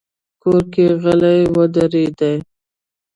کور کې غلې ودرېدې.